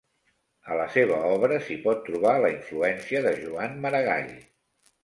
A la seva obra s'hi pot trobar la influència de Joan Maragall.